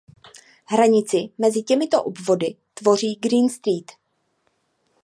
Hranici mezi těmito obvody tvoří "Green Street".